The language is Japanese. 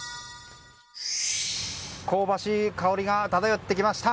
香ばしい香りが漂ってきました。